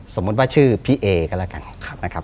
สมมติว่าชื่อพี่เอก็แล้วกัน